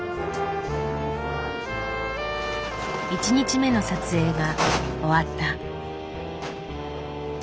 １日目の撮影が終わった。